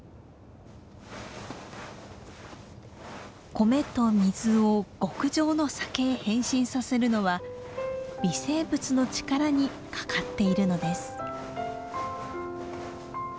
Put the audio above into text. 米と水を極上の酒へ変身させるのは微生物の力にかかっているのです。